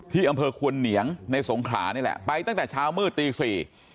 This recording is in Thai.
ที่อำเภอควนเหนียงในสงขลานี่แหละไปตั้งแต่เช้ามืดตีสี่